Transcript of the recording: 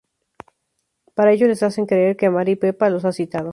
Para ello les hacen creer que Mari Pepa los ha citado.